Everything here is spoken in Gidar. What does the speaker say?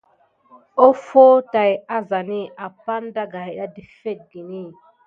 Offo tay azani apane daga ɗa naku ne wure na kusim ɓa.